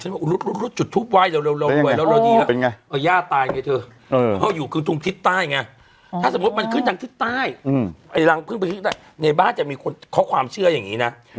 ฉันว่ารูดรูดรูดจุดทุบไวเราเราแล้วเรา๑๒๓๐๐